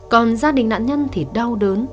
còn gia đình nạn nhân thì đau đớn